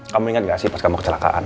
kamu ingat gak sih pas kamu kecelakaan